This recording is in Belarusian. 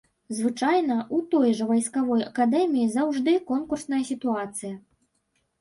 Звычайна, у той жа вайсковай акадэміі заўжды конкурсная сітуацыя.